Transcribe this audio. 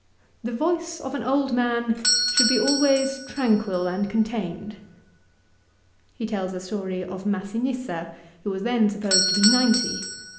The voice of an old man should always be tranquil and contained. 1 He tells a story of Massinissa, who was then supposed to be ninety.